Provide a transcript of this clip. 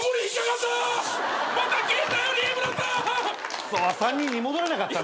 くそっ３人に戻れなかったな。